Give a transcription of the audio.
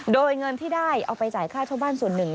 โดยเงินที่ได้เอาไปจ่ายค่าเช่าบ้านส่วนหนึ่ง